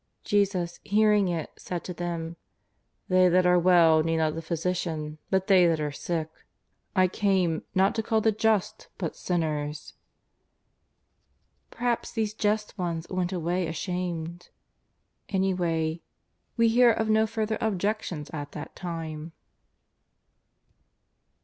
Jesus hearing it said to them :" They that are well need not the physician, but they that are sick. I came not to call the just but sinners." Perhaps these just ones went away ashamed. Any way we hear of no further objections at that time.